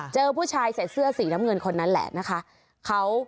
เจอผู้ชายใส่เสื้อสีน้ำเงินคนนั้นแหละนะคะ